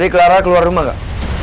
tadi clara keluar rumah kak